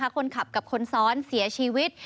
คนขับกับคนซ้อนเสียชีวิต